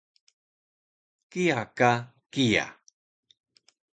kiya ka kiya